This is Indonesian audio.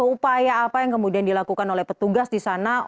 upaya apa yang kemudian dilakukan oleh petugas di sana